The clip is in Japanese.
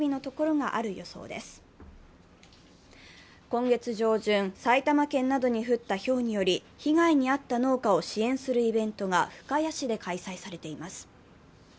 今月上旬、埼玉県などに降ったひょうにより被害に遭った農家を支援するイベントが深谷市で開催されています。